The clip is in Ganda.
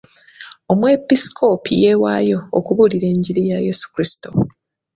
Omwepiskoopi yeewaayo okubuulira enjiri ya Yesu Krisitu.